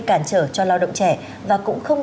cản trở cho lao động trẻ và cũng không